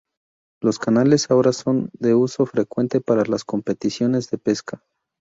Los canales ahora son de uso frecuente para las competiciones de pesca.